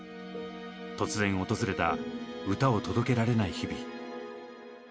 突然訪れた歌を届けられない日々。